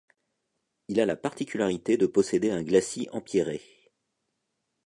Il a la particularité de posséder un glacis empierré.